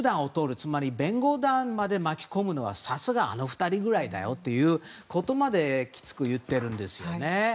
つまり弁護団まで巻き込むのはさすが、あの２人ぐらいだよということまできつくいっているんですね。